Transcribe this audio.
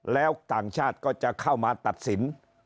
แล้วต่างชาติก็จะเข้ามาตัดสิน